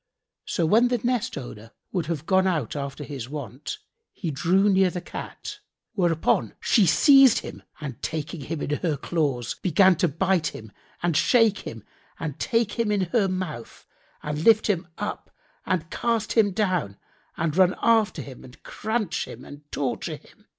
So when the nest owner would have gone out after his wont, he drew near the Cat; whereupon she seized him and taking him in her claws, began to bite him and shake him and take him in her mouth and lift him up and cast him down and run after him and cranch him and torture him.